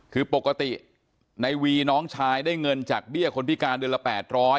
คือปกติในวีน้องชายได้เงินจากเบี้ยคนพิการเดือนละ๘๐๐